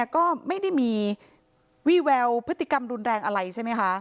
ก็ไม่ได้มีวี่แววพฤติกรรมรุนแรงอะไรใช่ไหมคะ